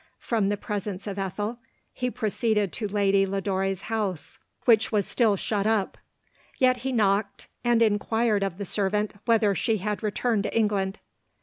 From the presence of Ethel, he proceeded to Lady Lodore'a house, which waa still shut up; yet he knocked, and inquired of the servant whether she had re turned to England.